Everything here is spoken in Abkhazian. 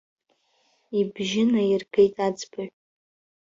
Ибжьы наиргеит аӡбаҩ.